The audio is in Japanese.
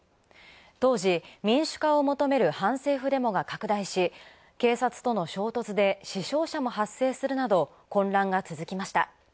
当時、民主化を求める反政府デモが拡大し警察との衝突で死傷者も発生するなど混乱が続きました。